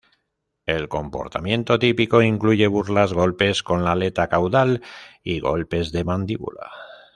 El comportamiento típico incluye burlas, golpes con la aleta caudal y golpes de mandíbula.